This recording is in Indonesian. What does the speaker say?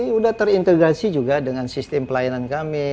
sudah terintegrasi juga dengan sistem pelayanan kami